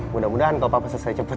mudah mudahan kalau papa selesai cepat